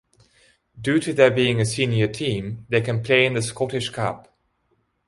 Due to their being a senior team, they can play in the Scottish Cup.